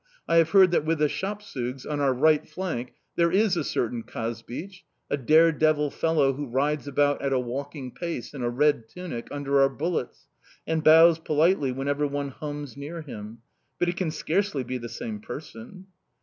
I have heard that with the Shapsugs, on our right flank, there is a certain Kazbich, a dare devil fellow who rides about at a walking pace, in a red tunic, under our bullets, and bows politely whenever one hums near him but it can scarcely be the same person!"...